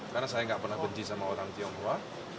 karena saya nggak pernah benci sama orang tionghoa